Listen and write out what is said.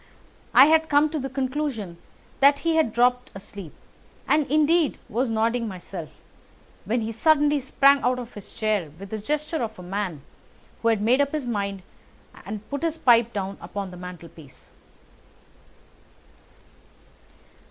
I had come to the conclusion that he had dropped asleep, and indeed was nodding myself, when he suddenly sprang out of his chair with the gesture of a man who has made up his mind and put his pipe down upon the mantelpiece.